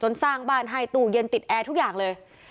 สร้างบ้านให้ตู้เย็นติดแอร์ทุกอย่างเลย